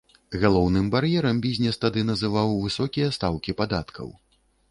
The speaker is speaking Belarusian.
Галоўным бар'ерам бізнес тады называў высокія стаўкі падаткаў.